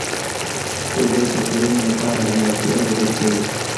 اوبه د کرنې لپاره حیاتي ارزښت لري.